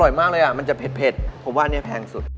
มากเลยอ่ะมันจะเผ็ดผมว่าอันนี้แพงสุด